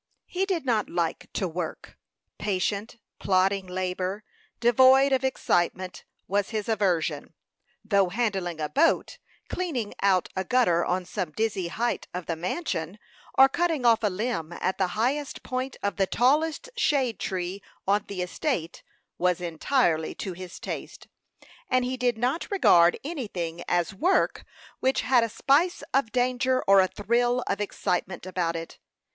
He did not like to work. Patient, plodding labor, devoid of excitement, was his aversion; though handling a boat, cleaning out a gutter on some dizzy height of the mansion, or cutting off a limb at the highest point of the tallest shade tree on the estate, was entirely to his taste, and he did not regard anything as work which had a spice of danger or a thrill of excitement about it.